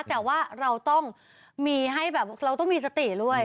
แต่ว่าเราต้องมีให้แบบเราต้องมีสติด้วย